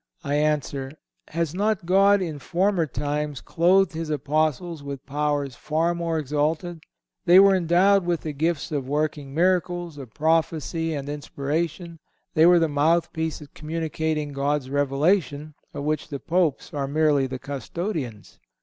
I answer: Has not God, in former times, clothed His Apostles with powers far more exalted? They were endowed with the gifts of working miracles, of prophecy and inspiration; they were the mouth piece communicating God's revelation, of which the Popes are merely the custodians.